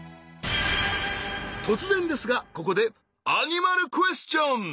突然ですがここでアニマルクエスチョン。